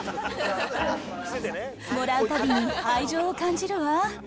もらうたびに愛情を感じるわ。